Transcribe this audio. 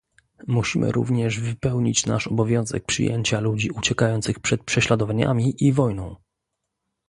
Musimy również wypełnić nasz obowiązek przyjęcia ludzi uciekających przed prześladowaniami i wojną